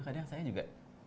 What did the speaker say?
kadang saya juga